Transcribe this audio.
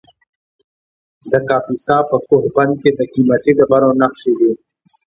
د کاپیسا په کوه بند کې د قیمتي ډبرو نښې دي.